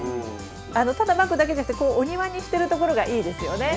ただまくだけじゃなくてこうお庭にしてるところがいいですよね。